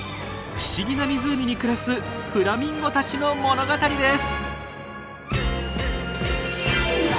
不思議な湖に暮らすフラミンゴたちの物語です！